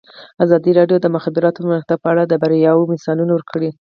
ازادي راډیو د د مخابراتو پرمختګ په اړه د بریاوو مثالونه ورکړي.